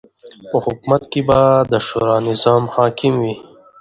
په حکومت کی به د شورا نظام حاکم وی